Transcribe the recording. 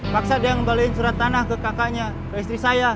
paksa dia ngembalikan surat tanah ke kakaknya ke istri saya